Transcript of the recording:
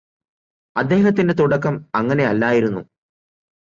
അദ്ദേഹത്തിന്റെ തുടക്കം അങ്ങനെ അല്ലായിരുന്നു